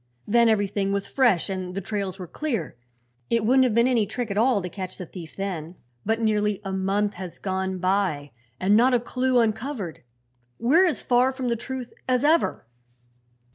"Then everything was fresh and the trails were clear. It wouldn't have been any trick at all to catch the thief then; but nearly a month has gone by and not a clew uncovered. We're as far from the truth as ever."